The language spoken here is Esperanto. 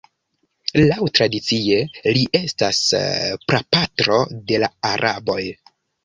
Laŭ tradicie li estas prapatro de la araboj.